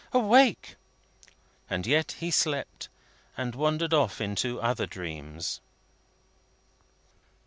Awake!" And yet he slept, and wandered off into other dreams.